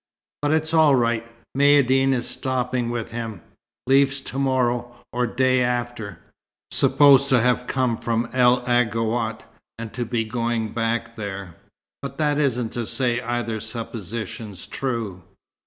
"But it's all right. Maïeddine is stopping with him leaves to morrow or day after; supposed to have come from El Aghouat, and to be going back there. But that isn't to say either supposition's true."